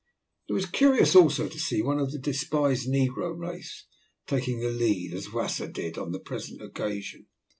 It was curious also to see one of the despised negro race taking the lead as Wasser did on the present occasion.